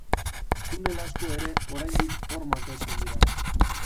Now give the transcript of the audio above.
Tunel asko ere, oraindik hor mantentzen dira.